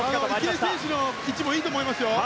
池江選手の位置もいいと思いますよ。